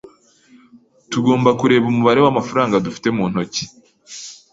Tugomba kureba umubare w'amafaranga dufite mu ntoki.